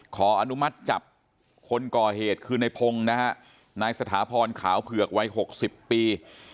ขออนุมัติจับคนก่อเหตุคือในพงศ์นะฮะนายสถาพรขาวเผือกวัย๖๐ปี